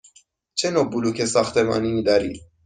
چه نوع بلوک ساختمانی دارید؟